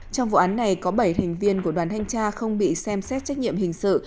trong vụ án này có bảy thành viên của đoàn thanh tra không bị xem xét trách nhiệm hình sự